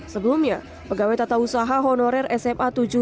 sebelumnya pegawai tata usaha honorer sma tujuh